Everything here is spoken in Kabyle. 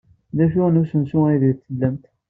D acu n usensu aydeg tellamt?